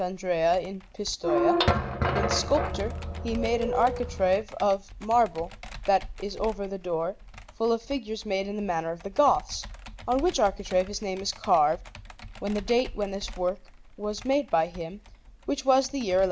Andrea in Pistoia, and in sculpture he made an architrave of marble that is over the door, full of figures made in the manner of the Goths, on which architrave his name is carved, with the date when this work was made by him, which was the year 1166.